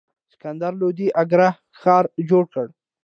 سکندر لودي اګره ښار جوړ کړ.